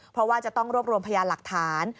เพราะว่าจะต้องรวบรวมพยานหลักฐาน